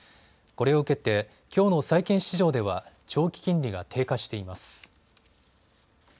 これを受けてきょうの債券市場では長期金利が低下しています。